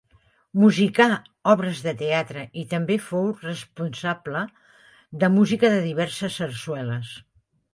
Musicà obres de teatre i també fou responsables de música de diverses sarsueles.